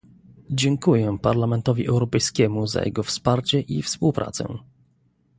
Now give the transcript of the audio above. Dziękuję Parlamentowi Europejskiemu za jego wsparcie i współpracę